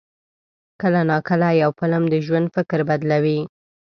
کله ناکله یو فلم د ژوند فکر بدلوي.